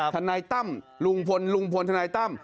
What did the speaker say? ทนายตั้มลุงพลลุงพลทนายตั้ม